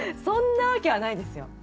そんなわけはないですよ。